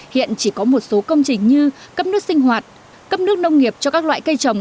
hiện chỉ có một số công trình như cấp nước sinh hoạt cấp nước nông nghiệp cho các loại cây trồng